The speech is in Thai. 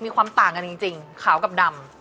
มีความต่างกันจริงขาวกับดำ